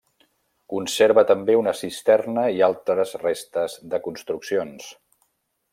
Conserva també una cisterna i altres restes de construccions.